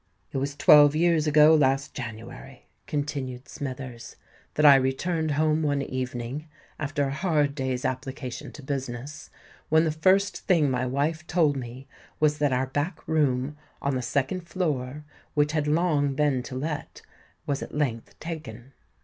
"It was twelve years ago last January," continued Smithers, "that I returned home one evening, after a hard day's application to business, when the first thing my wife told me was that our back room on the second floor, which had long been to let, was at length taken.